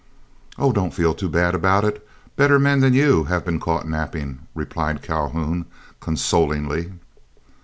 "Oh! don't feel too bad about it; better men than you have been caught napping," replied Calhoun, consolingly.